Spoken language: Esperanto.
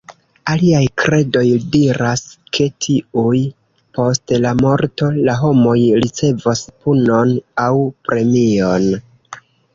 Aliaj kredoj diras ke tuj post la morto, la homoj ricevos punon aŭ premion.